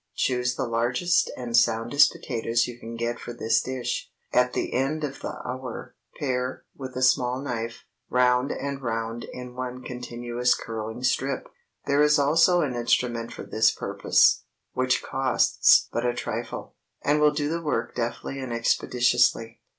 Choose the largest and soundest potatoes you can get for this dish. At the end of the hour, pare, with a small knife, round and round in one continuous curling strip. There is also an instrument for this purpose, which costs but a trifle, and will do the work deftly and expeditiously.